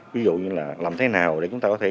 ví dụ như là làm thế nào để chúng ta có thể